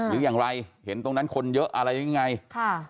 หรืออย่างไรเห็นตรงนั้นคนเยอะอะไรยังไงค่ะ